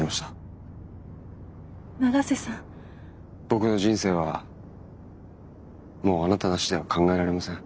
僕の人生はもうあなたなしでは考えられません。